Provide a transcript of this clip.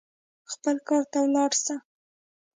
خپل کار ته ولاړ سه.